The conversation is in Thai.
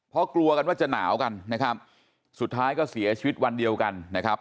เพราะกลัวกันว่าจะหนาวกันนะครับสุดท้ายก็เสียชีวิตวันเดียวกันนะครับ